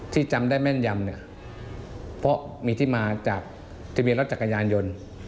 จำได้แม่นยำเนี่ยเพราะมีที่มาจากทะเบียนรถจักรยานยนต์